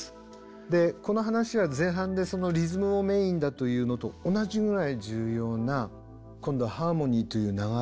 でこの話は前半でリズムをメインだというのと同じぐらい重要な今度はハーモニーという流れ。